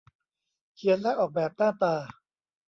เขียนและออกแบบหน้าตา